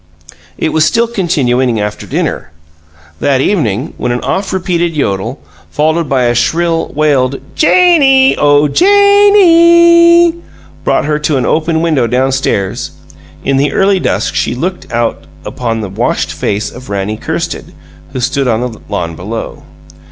It was still continuing after dinner. Thatt evening, when an oft repeated yodel, followed by a shrill wailed, "Jane ee! Oh, Jane NEE ee!" brought her to an open window down stairs. In the early dusk she looked out upon the washed face of Rannie Kirsted, who stood on the lawn below.